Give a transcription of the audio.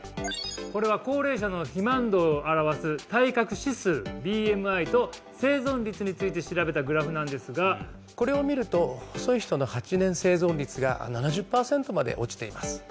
これは高齢者の肥満度を表す体格指数ＢＭＩと生存率について調べたグラフなんですがこれを見ると細い人の８年生存率が７０パーセントまで落ちています